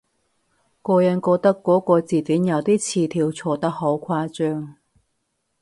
個人覺得嗰個字典有啲詞條錯得好誇張